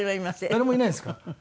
誰もいないんですか？